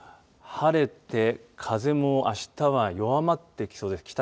晴れて風もあしたは弱まってきそうです。